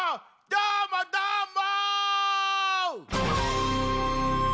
どーもどーも！